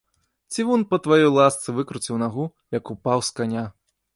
Цівун па тваёй ласцы выкруціў нагу, як упаў з каня.